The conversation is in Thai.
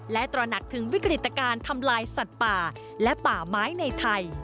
และตระหนักถึงวิกฤตการณ์ทำลายสัตว์ป่าและป่าไม้ในไทย